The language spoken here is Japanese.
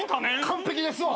完璧ですわ。